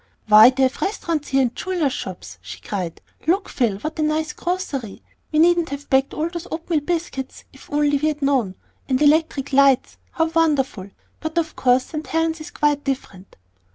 "Why, they have restaurants here and jewellers' shops!" she cried. "Look, Phil, what a nice grocery! We needn't have packed all those oatmeal biscuits if only we had known. And electric lights! How wonderful! But of course St. Helen's is quite different."